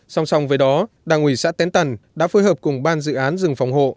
song song với đó đảng ủy xã tén tần đã phối hợp cùng ban dự án rừng phòng hộ